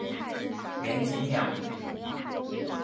胡锦鸟。